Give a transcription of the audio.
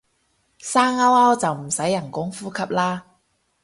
生勾勾就唔使人工呼吸啦